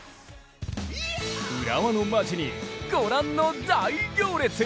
浦和の街にご覧の大行列。